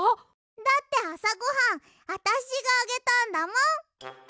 だってあさごはんあたしがあげたんだもん！